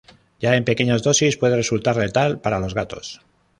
Ya en pequeñas dosis puede resultar letal para los gatos.